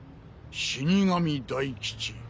死神大吉」。